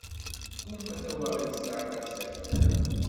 Tgumma twaɣit-a ad tfak fell-aɣ.